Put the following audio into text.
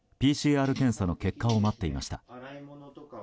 ＰＣＲ検査の結果を待っていました。